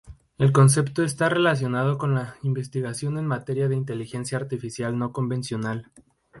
El concepto está relacionado con la investigación en materia de Inteligencia artificial no convencional.